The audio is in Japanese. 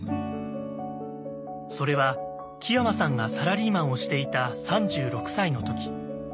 それは木山さんがサラリーマンをしていた３６歳のとき。